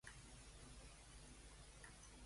En què ha persistit Llach?